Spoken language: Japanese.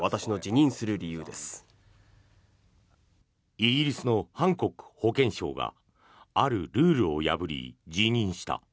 イギリスのハンコック保健相があるルールを破り、辞任した。